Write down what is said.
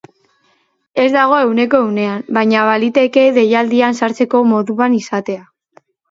Ez dago ehuneko ehunean, baina baliteke deialdian sartzeko moduan izatea.